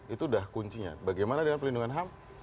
itu sudah kuncinya bagaimana dengan perlindungan ham